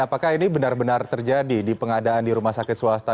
apakah ini benar benar terjadi di pengadaan di rumah sakit swasta